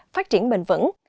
phát triển bền vững